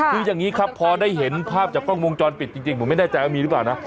คืออย่างนี้ครับพอได้เห็นภาพจากกล้องวงจรปิดจริงผมไม่แน่ใจว่ามีหรือเปล่านะ